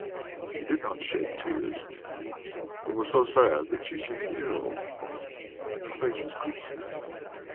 She did not shed tears, but was so sad that she seemed ill, and her face was quivering.